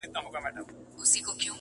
• موږ به یې هېر کړو خو نه هیریږي -